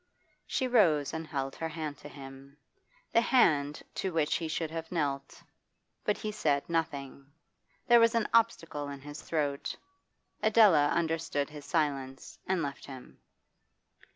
She rose and held her hand to him; the hand to which he should have knelt. But he said nothing; there was an obstacle in his throat. Adela understood his silence and left him.